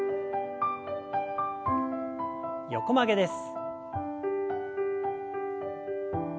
横曲げです。